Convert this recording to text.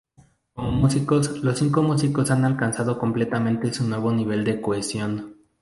Como músicos, los cinco músicos han alcanzado completamente un nuevo nivel de cohesión.